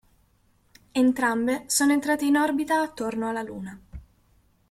Entrambe sono entrate in orbita attorno alla Luna.